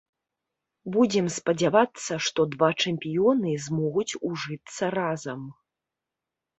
Будзем спадзявацца, што два чэмпіёны змогуць ужыцца разам.